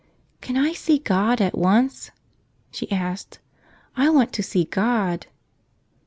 "Can I see God at once?" she asked. "I want to see God."